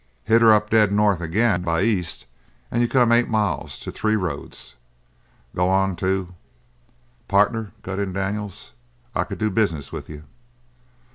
Hit 'er up dead north again, by east, and you come eight miles to Three Roads. Go on to " "Partner," cut in Daniels, "I could do business with you."